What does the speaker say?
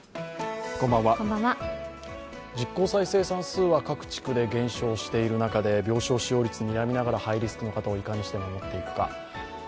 実効再生産数は各地区で減少している中で病床使用率、にらみながらハイリスクの方をいかにして守っていくか。